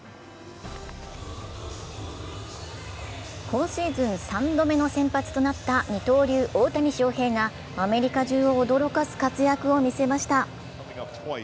今シーズン３度目の先発となった二刀流・大谷翔平がアメリカ中を驚かす活躍を見せました。